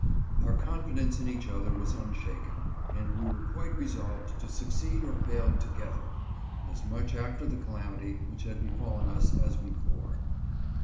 Our confidence in each other was unshaken, and we were quite resolved to succeed or fail together ; as much after the calamity which had befallen us as before.